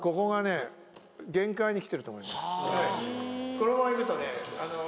このままいくとね